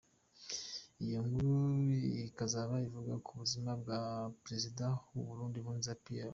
Iyo nkuru ikazaba ivuga ku buzima bwa Perezida w’u Burundi Nkurunziza Pierre.